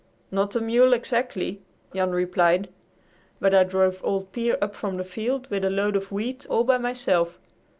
"Not a mule, exactly," Jail replied, "but I drove old Pier up from the field with a load of wheat all by myself.